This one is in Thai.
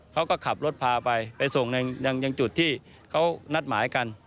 เขาก็ขับรถพาไปไปส่งยังจุดที่เขานัดหมายกัน